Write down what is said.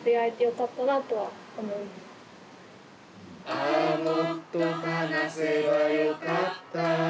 「ああもっと話せば良かった」